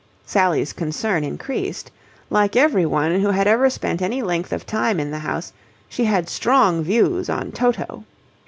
Sally's concern increased. Like everyone who had ever spent any length of time in the house, she had strong views on Toto.